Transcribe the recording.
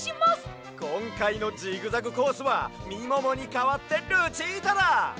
こんかいのジグザグコースはみももにかわってルチータだ！